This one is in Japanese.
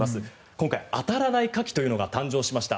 今回あたらないカキというのが誕生しました。